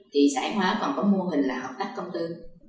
thì xã hội còn có mô hình là các công tư